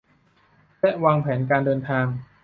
และวางแผนการเดินทาง